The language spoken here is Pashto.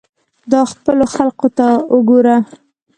دا خپلو خلقو ته وګوره.